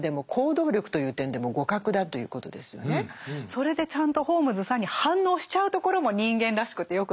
それでちゃんと「ホームズさん」に反応しちゃうところも人間らしくて良くないですか。